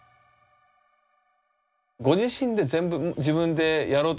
ご自身で全部自分でやろうとされるでしょ？